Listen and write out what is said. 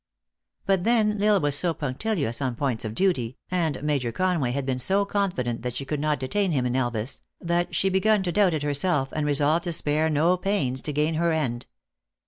But then L Isle was so punctilious on points of duty, and Major Conway had been so confident that she could not detain him in Elvas, that she begun to doubt it herself, and resolved to spare no pains to gain her end.